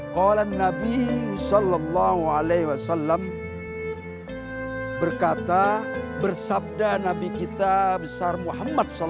kolan nabi saw berkata bersabda nabi kita besar muhammad saw